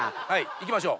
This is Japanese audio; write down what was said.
いきましょう